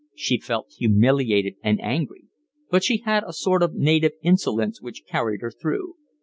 She felt humiliated and angry, but she had a sort of native insolence which carried her through.